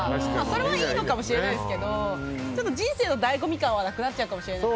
それはいいのかもしれないですけど人生の醍醐味感はなくなっちゃうかもしれない。